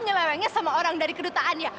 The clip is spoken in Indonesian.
nyelewengnya sama orang dari kedutaan ya